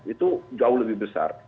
itu jauh lebih besar